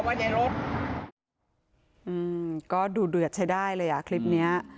ในรถอืมก็ดูเดือดใช้ได้เลยอ่ะคลิปเนี้ย